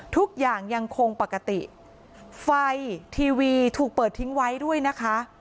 ทุกอย่างยังคงปกติไฟทีวีถูกเปิดทิ้งไว้ด้วยนะคะ